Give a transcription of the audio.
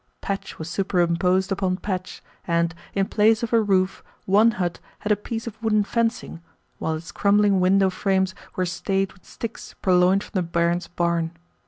Patch was superimposed upon patch, and, in place of a roof, one hut had a piece of wooden fencing, while its crumbling window frames were stayed with sticks purloined from the barin's barn.